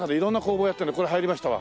これ入りましたわ。